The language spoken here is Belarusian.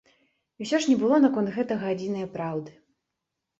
І ўсё ж не было наконт гэтага адзінае праўды.